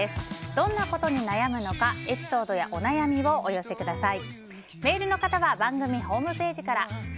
どんなことに悩むのかエピソードやお悩みをお寄せください。